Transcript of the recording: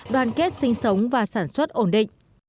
đoàn kết sinh sống và sản xuất ổn định